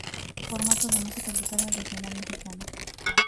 Formato de música grupera y regional mexicana.